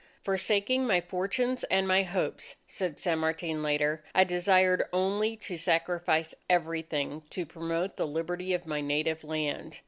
"Forsaking my fortunes and my hopes," said San Martin later, "I desired only to sacrifice everything to promote the Liberty of my native land.